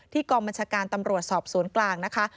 ที่กรมบัญชการตำรวจสอบศูนย์กลางนะคะ